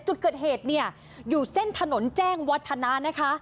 จุดเกิดเหตุเนี่ยอยู่เส้นถนนแจ้งวัฒนานะคะ